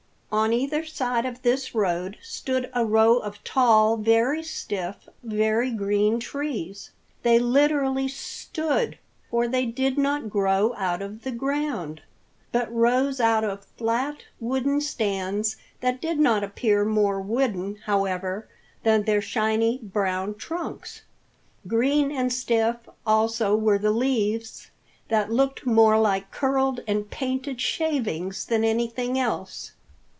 On either side of this road stood a row of tall, very stiff, very green trees. They literally stood, for they did not grow out of the ground, but rose out of flat, wooden stands that did not appear more wooden, however, than their shiny, brown trunks. Green and stiff also were the leaves that looked more like curled and painted shavings than anything else.